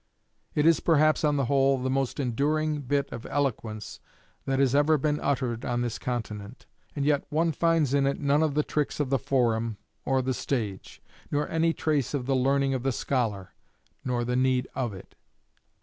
It is perhaps, on the whole, the most enduring bit of eloquence that has ever been uttered on this continent; and yet one finds in it none of the tricks of the forum or the stage, nor any trace of the learning of the scholar, nor the need of it."